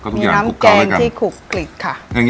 มีน้ำแกงที่ขลุกกลิดค่ะ